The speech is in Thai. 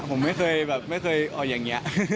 ผมไม่เคยแบบไม่เคยออกอย่างนี้